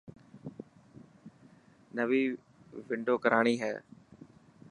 نوي ونڊو ڪراڻي هي.